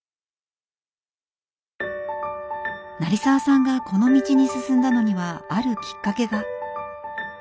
成澤さんがこの道に進んだのにはあるきっかけが。